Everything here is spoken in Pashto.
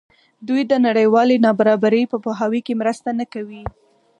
دوی د نړیوالې نابرابرۍ په پوهاوي کې مرسته نه کوي.